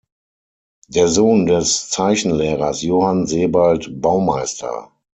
Der Sohn des Zeichenlehrers Johann Sebald Baumeister.